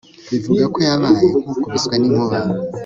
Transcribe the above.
bivuga ko yabaye nk'ukubiswe n'inkuba